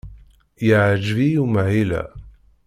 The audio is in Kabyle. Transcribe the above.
Yeɛjeb-iyi umahil-a.